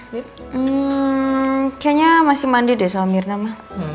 hmm kayaknya masih mandi deh soal mirna ma